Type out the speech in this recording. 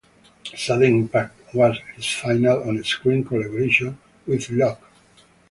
"Sudden Impact" was his final on-screen collaboration with Locke.